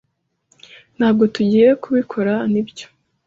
Ntabwo tugiye kubikora, nibyo?